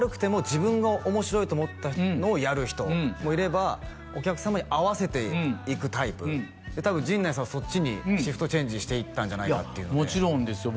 自分が面白いと思ったのをやる人もいればお客様に合わせていくタイプ多分陣内さんはそっちにシフトチェンジしていったんじゃないかってもちろんですよ